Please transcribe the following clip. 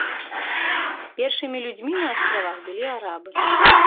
Першымі людзьмі на астравах былі арабы.